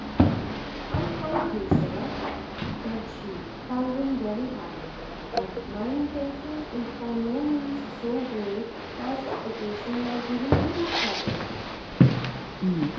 "I thank you, sir," said she, colouring very high; "but my impatience is by no means so great as to occasion my giving you that trouble."